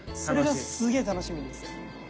それがすげえ楽しみです。